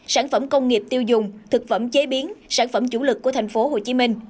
sản phẩm công nghiệp tiêu dùng thực phẩm chế biến sản phẩm chủ lực của tp hcm